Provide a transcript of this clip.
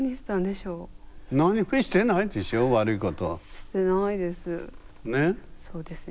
してないです。ね。